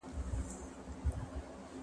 ته ولې خپل ځان ته هیڅ شی نه ساتې؟